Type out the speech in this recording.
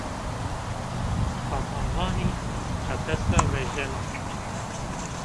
Papaxanî qefes ra vejeno